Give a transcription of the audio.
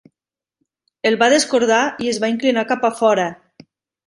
El va descordar i es va inclinar cap a fora.